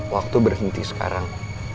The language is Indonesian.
waktu berhenti sekarang